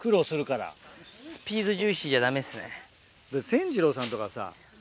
専次郎さんとかはさ